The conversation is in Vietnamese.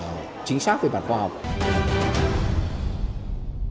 các bạn hãy đăng kí cho kênh lalaschool để không bỏ lỡ những video hấp dẫn